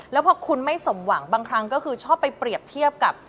แล้วพอคุณไม่สมหวังบางครั้งก็คือชอบไปเปรียบเทียบกับ